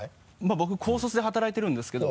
僕高卒で働いてるんですけど。